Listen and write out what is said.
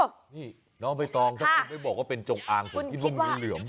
นี่น้องใบตองถ้าคุณไม่บอกว่าเป็นจงอางผมคิดว่างูเหลือม